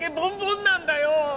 なんだよ！